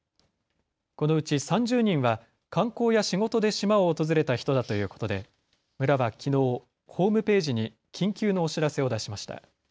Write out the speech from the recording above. このうち３０人は観光や仕事で島を訪れた人だということで村はきのうホームページに緊急のお知らせを出しました。